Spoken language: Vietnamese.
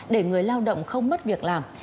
để người lao động không mất việc làm